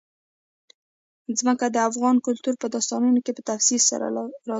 ځمکه د افغان کلتور په داستانونو کې په تفصیل سره راځي.